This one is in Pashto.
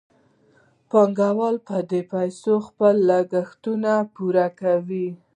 پانګوال په دې پیسو خپل لګښتونه پوره کوي